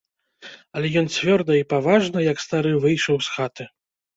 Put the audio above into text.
Але ён цвёрда і паважна, як стары, выйшаў з хаты.